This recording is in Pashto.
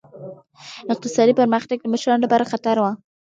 اقتصادي پرمختګ د مشرانو لپاره خطر و.